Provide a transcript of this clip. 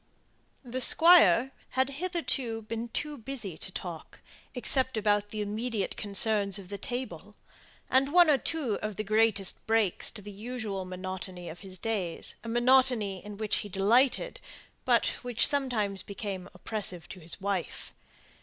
The Squire had hitherto been too busy to talk, except about the immediate concerns of the table, and one or two of the greatest breaks to the usual monotony of his days; a monotony in which he delighted, but which sometimes became oppressive to his wife.